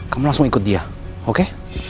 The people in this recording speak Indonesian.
kamu langsung ikut dia oke